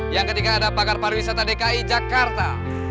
yang ketiga ada pakar pariwisata dki jakarta